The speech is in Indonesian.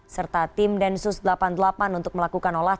serta tim densus delapan puluh delapan untuk melakukan olah